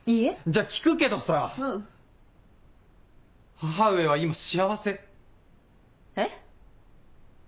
じゃ聞くけどさ母上は今幸せ？えっ？